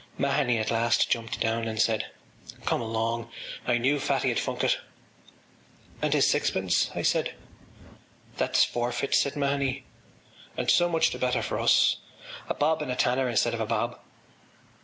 Mahony, at last, jumped down and said: “Come along. I knew Fatty’d funk it.” “And his sixpence...?” I said. “That’s forfeit,” said Mahony. “And so much the better for us—a bob and a tanner instead of a bob.